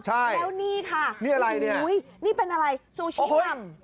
แล้วนี่ค่ะนี่เป็นอะไรซูชิม่ำ